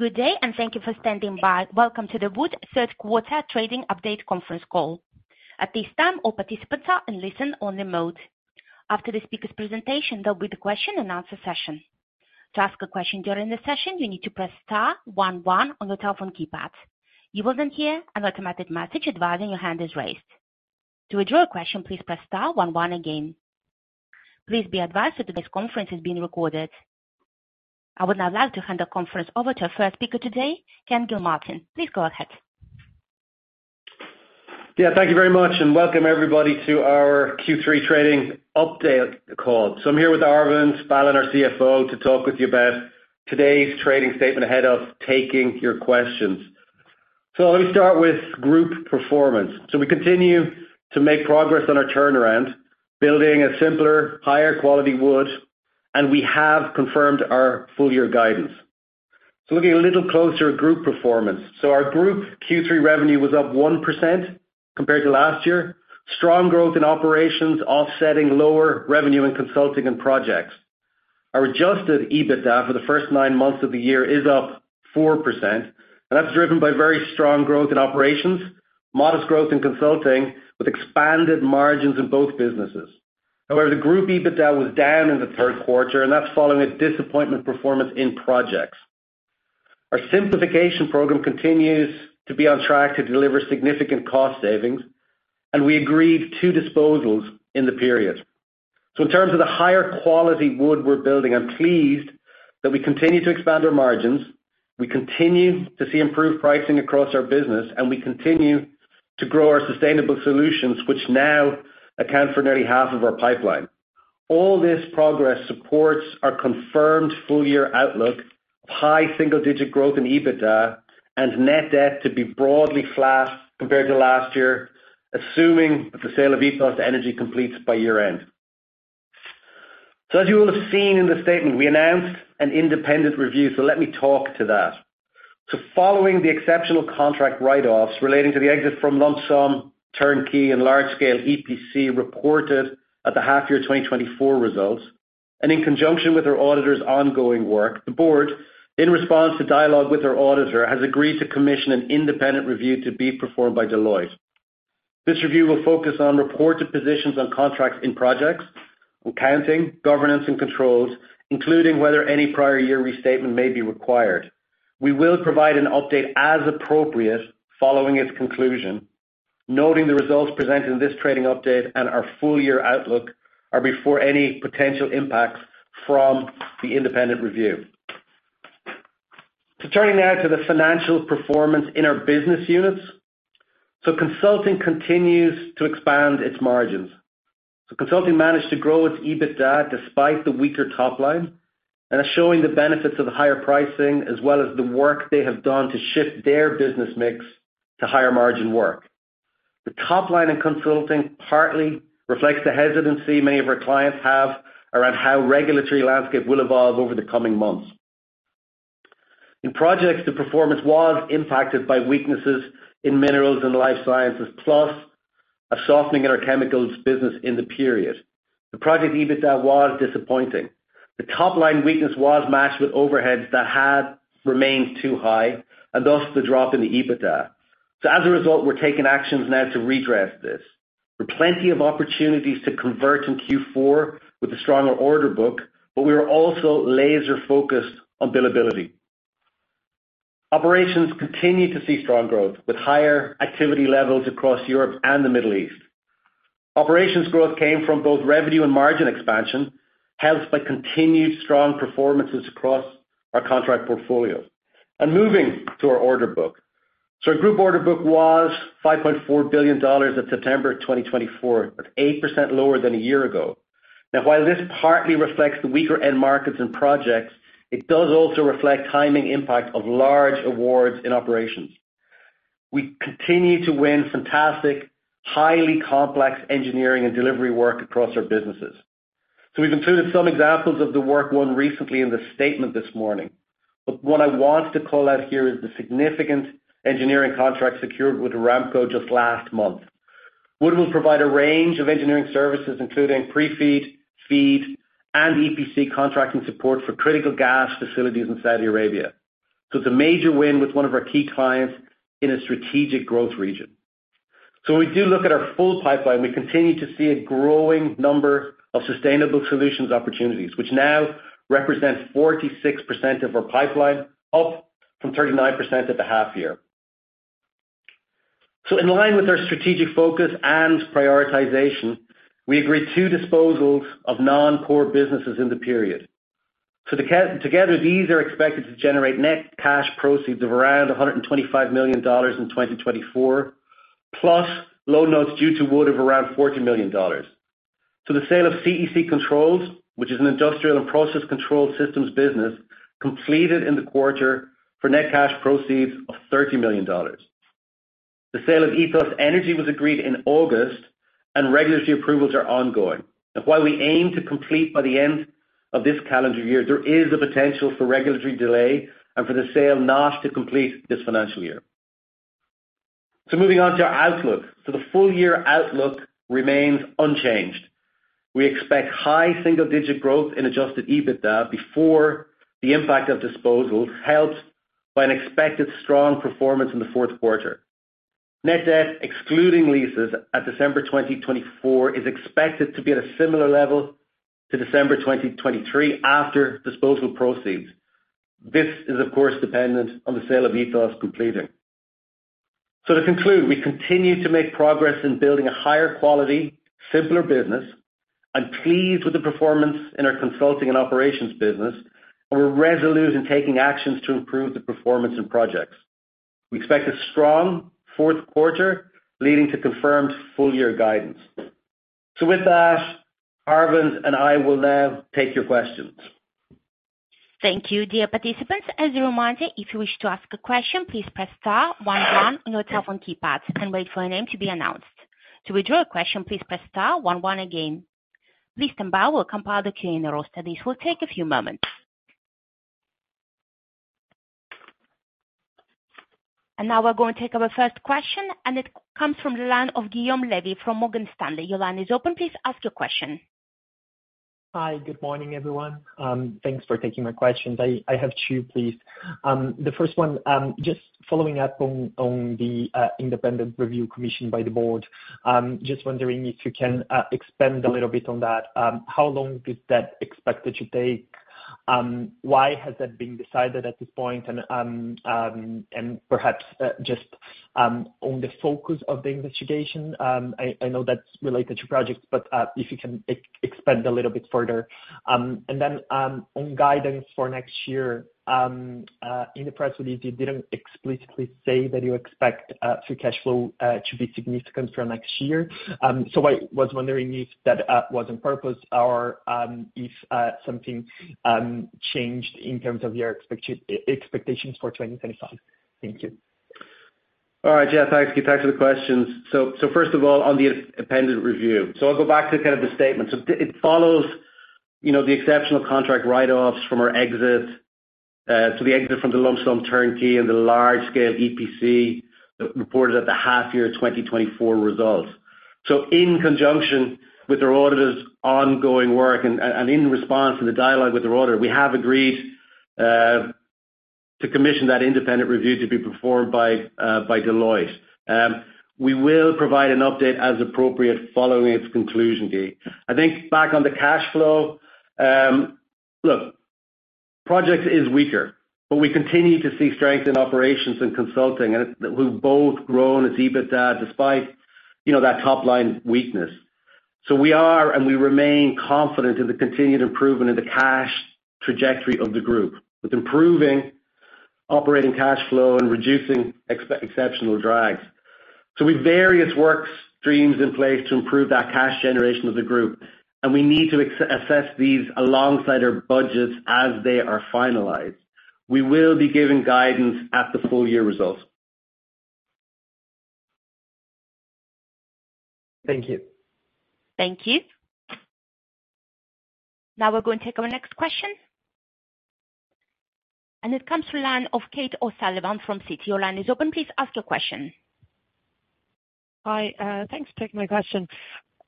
Good day, and thank you for standing by. Welcome to the Wood Third Quarter Trading Update Conference Call. At this time, all participants are in listen-only mode. After the speaker's presentation, there will be the question-and-answer session. To ask a question during the session, you need to press star one one on your telephone keypad. You will then hear an automated message advising your hand is raised. To withdraw a question, please press star one one again. Please be advised that today's conference is being recorded. I would now like to hand the conference over to our first speaker today, Ken Gilmartin. Please go ahead. Yeah, thank you very much, and welcome everybody to our Q3 Trading Update Call. So I'm here with Arvind Balan, our CFO, to talk with you about today's trading statement ahead of taking your questions. So let me start with group performance. So we continue to make progress on our turnaround, building a simpler, higher-quality Wood, and we have confirmed our full-year guidance. So looking a little closer at group performance, our group Q3 revenue was up 1% compared to last year. Strong growth in operations, offsetting lower revenue in consulting and projects. Our adjusted EBITDA for the first nine months of the year is up 4%, and that's driven by very strong growth in operations, modest growth in consulting, with expanded margins in both businesses. However, the group EBITDA was down in the third quarter, and that's following a disappointing performance in projects. Our simplification program continues to be on track to deliver significant cost savings, and we agreed to disposals in the period, so in terms of the higher quality Wood we're building, I'm pleased that we continue to expand our margins, we continue to see improved pricing across our business, and we continue to grow our sustainable solutions, which now account for nearly half of our pipeline. All this progress supports our confirmed full-year outlook of high single-digit growth in EBITDA and net debt to be broadly flat compared to last year, assuming that the sale to EthosEnergy completes by year-end, so as you will have seen in the statement, we announced an independent review, so let me talk to that. Following the exceptional contract write-offs relating to the exit from lump sum turnkey and large-scale EPC reported at the half-year 2024 results, and in conjunction with our auditor's ongoing work, the board, in response to dialogue with our auditor, has agreed to commission an independent review to be performed by Deloitte. This review will focus on reported positions on contracts in projects, accounting, governance, and controls, including whether any prior year restatement may be required. We will provide an update as appropriate following its conclusion. Noting the results presented in this trading update and our full-year outlook are before any potential impacts from the independent review. Turning now to the financial performance in our business units. Consulting continues to expand its margins. Consulting managed to grow its EBITDA despite the weaker top line and is showing the benefits of the higher pricing as well as the work they have done to shift their business mix to higher-margin work. The top line in consulting partly reflects the hesitancy many of our clients have around how regulatory landscape will evolve over the coming months. In projects, the performance was impacted by weaknesses in minerals and life sciences, plus a softening in our chemicals business in the period. The project EBITDA was disappointing. The top line weakness was matched with overheads that had remained too high, and thus the drop in the EBITDA. As a result, we're taking actions now to redress this. There are plenty of opportunities to convert in Q4 with a stronger order book, but we are also laser-focused on billability. Operations continue to see strong growth with higher activity levels across Europe and the Middle East. Operations growth came from both revenue and margin expansion, helped by continued strong performances across our contract portfolio, and moving to our order book. Our group order book was $5.4 billion at September 2024, that's 8% lower than a year ago. Now, while this partly reflects the weaker end markets and projects, it does also reflect timing impact of large awards in operations. We continue to win fantastic, highly complex engineering and delivery work across our businesses. We've included some examples of the work won recently in the statement this morning. What I want to call out here is the significant engineering contract secured with Aramco just last month. Wood will provide a range of engineering services, including pre-FEED, FEED, and EPC contracting support for critical gas facilities in Saudi Arabia. It's a major win with one of our key clients in a strategic growth region. When we do look at our full pipeline, we continue to see a growing number of sustainable solutions opportunities, which now represent 46% of our pipeline, up from 39% at the half-year. In line with our strategic focus and prioritization, we agreed to disposals of non-core businesses in the period. Together, these are expected to generate net cash proceeds of around $125 million in 2024, plus loan notes due to Wood of around $40 million. The sale of CEC Controls, which is an industrial and process control systems business, completed in the quarter for net cash proceeds of $30 million. The sale of EthosEnergy was agreed in August, and regulatory approvals are ongoing. Now, while we aim to complete by the end of this calendar year, there is a potential for regulatory delay and for the sale not to complete this financial year. So moving on to our outlook. So the full-year outlook remains unchanged. We expect high single-digit growth in Adjusted EBITDA before the impact of disposals, helped by an expected strong performance in the fourth quarter. Net debt, excluding leases, at December 2024 is expected to be at a similar level to December 2023 after disposal proceeds. This is, of course, dependent on the sale of EthosEnergy completing. So to conclude, we continue to make progress in building a higher-quality, simpler business. I'm pleased with the performance in our consulting and operations business, and we're resolute in taking actions to improve the performance in projects. We expect a strong fourth quarter leading to confirmed full-year guidance. So with that, Arvind and I will now take your questions. Thank you, dear participants. As a reminder, if you wish to ask a question, please press star one one on your telephone keypad and wait for a name to be announced. To withdraw a question, please press star one one again. Mr. Balan will compile the Q&A now, so this will take a few moments. Now we're going to take our first question, and it comes from Guilherme Levy of Morgan Stanley. Guilherme, it's open. Please ask your question. Hi, good morning, everyone. Thanks for taking my questions. I have two, please. The first one, just following up on the independent review commissioned by the board, just wondering if you can expand a little bit on that. How long does that expect it to take? Why has that been decided at this point? And perhaps just on the focus of the investigation, I know that's related to projects, but if you can expand a little bit further. And then on guidance for next year, in the press release, you didn't explicitly say that you expect free cash flow to be significant for next year. So I was wondering if that was on purpose or if something changed in terms of your expectations for 2025. Thank you. All right, yeah, thanks. Good time for the questions. So first of all, on the independent review, so I'll go back to kind of the statement. So it follows the exceptional contract write-offs from our exit from the lump sum turnkey and the large-scale EPC reported at the half-year 2024 results. So in conjunction with our auditor's ongoing work and in response to the dialogue with our auditor, we have agreed to commission that independent review to be performed by Deloitte. We will provide an update as appropriate following its conclusion. I think back on the cash flow, look, projects are weaker, but we continue to see strength in operations and consulting, and we've both grown as EBITDA despite that top line weakness. So we are and we remain confident in the continued improvement in the cash trajectory of the group, with improving operating cash flow and reducing exceptional drags. So we have various work streams in place to improve that cash generation of the group, and we need to assess these alongside our budgets as they are finalized. We will be giving guidance at the full-year results. Thank you. Thank you. Now we're going to take our next question, and it comes from the line of Kate O'Sullivan from Citi. Kate, it's open. Please ask your question. Hi, thanks for taking my question.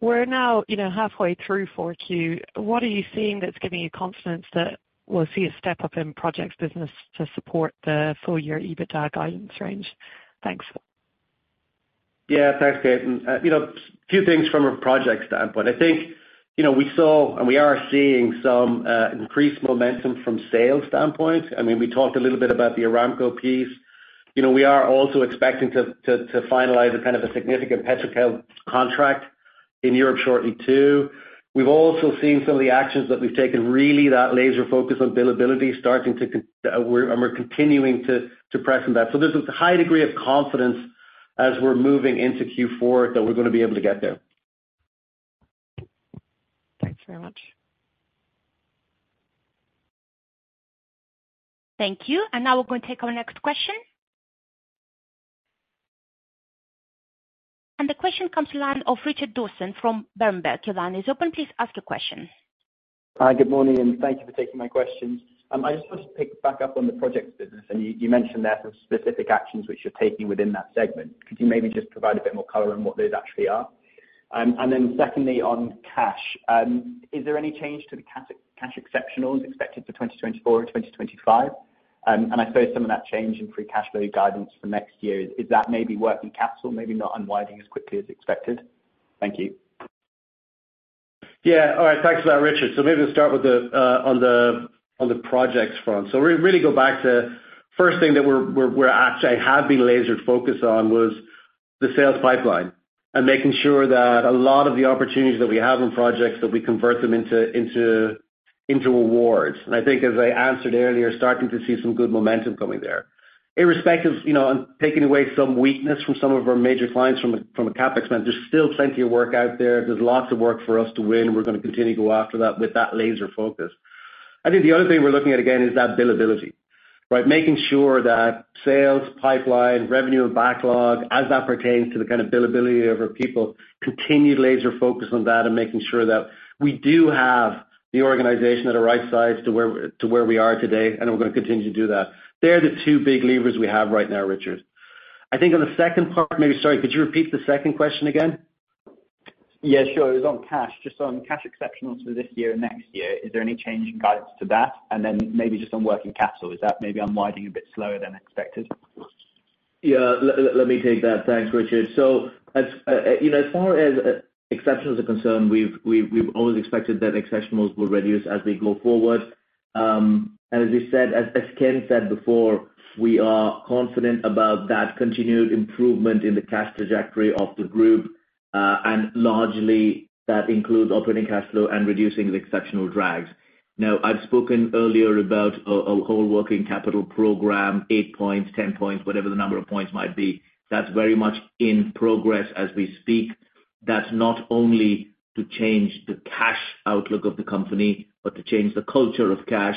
We're now halfway through Q4. What are you seeing that's giving you confidence that we'll see a step up in projects business to support the full-year EBITDA guidance range? Thanks. Yeah, thanks, Kate. A few things from a project standpoint. I think we saw and we are seeing some increased momentum from sales standpoint. I mean, we talked a little bit about the Aramco piece. We are also expecting to finalize kind of a significant petrochem contract in Europe shortly, too. We've also seen some of the actions that we've taken, really that laser focus on billability starting to, and we're continuing to press on that. So there's a high degree of confidence as we're moving into Q4 that we're going to be able to get there. Thanks very much. Thank you. And now we're going to take our next question. And the question comes from the line of Richard Dawson from Berenberg. The line, it's open. Please ask your question. Hi, good morning, and thank you for taking my questions. I just wanted to pick back up on the projects business, and you mentioned there some specific actions which you're taking within that segment. Could you maybe just provide a bit more color on what those actually are? And then secondly, on cash, is there any change to the cash exceptionals expected for 2024 and 2025? And I suppose some of that change in free cash flow guidance for next year, is that maybe working capital, maybe not unwinding as quickly as expected? Thank you. Yeah, all right, thanks for that, Richard. So maybe we'll start with the projects front. So really go back to the first thing that we actually have been laser-focused on was the sales pipeline and making sure that a lot of the opportunities that we have in projects, that we convert them into awards. And I think, as I answered earlier, starting to see some good momentum coming there. Irrespective of taking away some weakness from some of our major clients from a CapEx spend, there's still plenty of work out there. There's lots of work for us to win. We're going to continue to go after that with that laser focus. I think the other thing we're looking at again is that billability, right? Making sure that sales pipeline, revenue and backlog, as that pertains to the kind of billability of our people, continued laser focus on that and making sure that we do have the organization at a right size to where we are today, and we're going to continue to do that. They're the two big levers we have right now, Richard. I think on the second part, maybe, sorry, could you repeat the second question again? Yeah, sure. It was on cash, just on cash exceptionals for this year and next year. Is there any change in guidance to that? And then maybe just on working capital, is that maybe unwinding a bit slower than expected? Yeah, let me take that. Thanks, Richard. So as far as exceptionals are concerned, we've always expected that exceptionals will reduce as we go forward. And as we said, as Ken said before, we are confident about that continued improvement in the cash trajectory of the group, and largely that includes operating cash flow and reducing the exceptional drags. Now, I've spoken earlier about a whole working capital program, eight points, 10 points, whatever the number of points might be. That's very much in progress as we speak. That's not only to change the cash outlook of the company, but to change the culture of cash.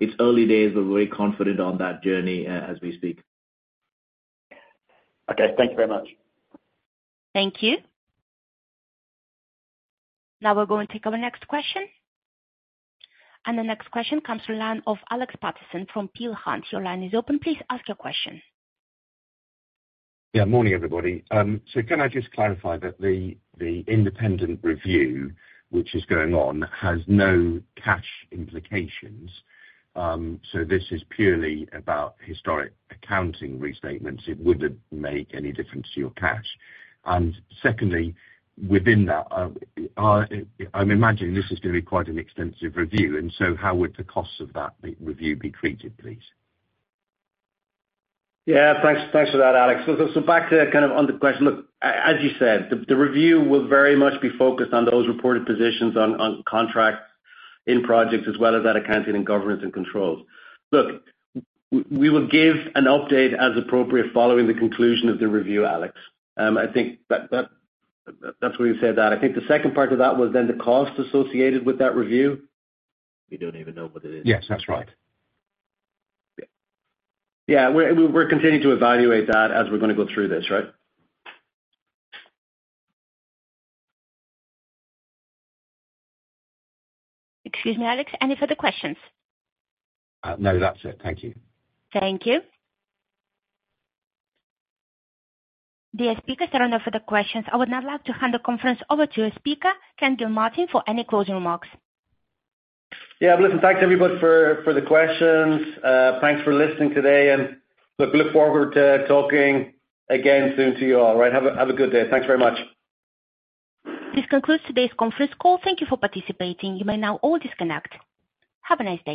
It's early days, but we're very confident on that journey as we speak. Okay, thank you very much. Thank you. Now we're going to take our next question. And the next question comes from the line of Alex Paterson from Peel Hunt. The line is open. Please ask your question. Yeah, morning, everybody. So can I just clarify that the independent review, which is going on, has no cash implications? So this is purely about historic accounting restatements. It wouldn't make any difference to your cash. And secondly, within that, I'm imagining this is going to be quite an extensive review. And so how would the costs of that review be treated, please? Yeah, thanks for that, Alex. So back to kind of on the question, look, as you said, the review will very much be focused on those reported positions on contracts in projects as well as that accounting and governance and controls. Look, we will give an update as appropriate following the conclusion of the review, Alex. I think that's why you said that. I think the second part of that was then the cost associated with that review. We don't even know what it is. Yes, that's right. Yeah, we're continuing to evaluate that as we're going to go through this, right? Excuse me, Alex. Any further questions? No, that's it. Thank you. Thank you. The speakers turned off for the questions. I would now like to hand the conference over to the speaker, Ken Gilmartin, for any closing remarks. Yeah, listen, thanks, everybody, for the questions. Thanks for listening today. And look, we look forward to talking again soon to you all, right? Have a good day. Thanks very much. This concludes today's conference call. Thank you for participating. You may now all disconnect. Have a nice day.